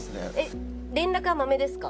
連絡はマメですか？